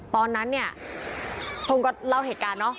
ตอนนั้นพระองค์ก็เล่าเหตุการณ์